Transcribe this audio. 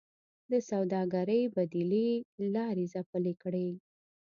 د سوداګرۍ بدیلې لارې خپلې کړئ